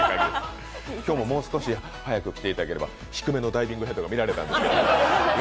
今日ももう少し早く来ていただければ、低めのダイビングヒットが見られたんですけど。